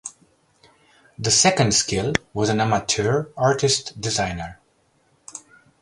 The second skill was an amateur artist designer.